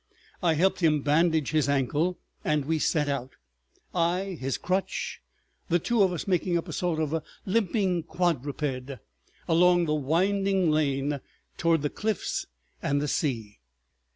I helped him bandage his ankle, and we set out, I his crutch, the two of us making up a sort of limping quadruped, along the winding lane toward the cliffs and the sea.